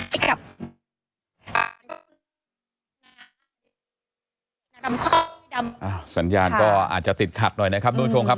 ไม่กับดำข้อดำสัญญาณก็อาจจะติดขัดหน่อยนะครับ